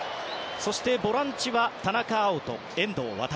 そして、ボランチは田中碧と遠藤航。